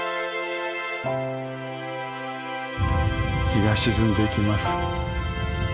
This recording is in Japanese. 日が沈んでいきます。